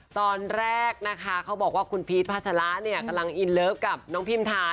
ตอนแรกเขาบอกว่าคุณพีชพาชะระกำลังอินเลิฟกับน้องพิมทาน